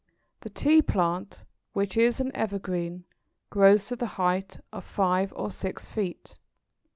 The Tea plant, which is an evergreen, grows to the height of five or six feet.